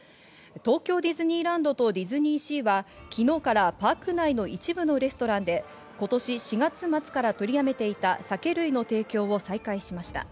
東京ディズニーランドとディズニーシーは、昨日からパーク内の一部のレストランで今年４月末から取りやめていた酒類の提供を再開しました。